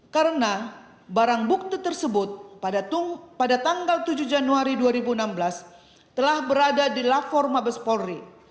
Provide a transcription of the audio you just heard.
karena barang bukti tersebut pada tanggal tujuh januari dua ribu enam belas telah berada di lapor mabes porri